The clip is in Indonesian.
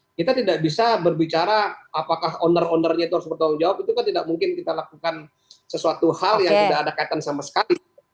karena kita tidak bisa berbicara apakah owner ownernya itu harus bertanggung jawab itu kan tidak mungkin kita lakukan sesuatu hal yang tidak ada kaitan sama sekali